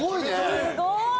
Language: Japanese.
すごい！